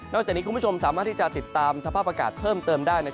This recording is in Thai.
จากนี้คุณผู้ชมสามารถที่จะติดตามสภาพอากาศเพิ่มเติมได้